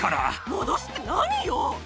戻すって何よ。